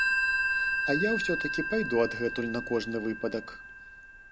А я ўсё-такі пайду адгэтуль на кожны выпадак.